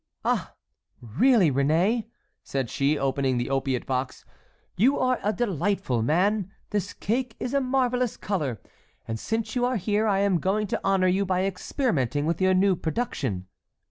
"Ah! really, Réné," said she, opening the opiate box, "you are a delightful man. This cake is a marvellous color, and since you are here I am going to honor you by experimenting with your new production."